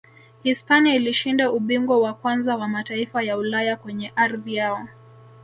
hispania ilishinda ubingwa wa kwanza wa mataifa ya ulaya kwenye ardhi yao